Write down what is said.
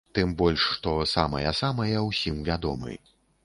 Тым больш, што самыя-самыя ўсім вядомы.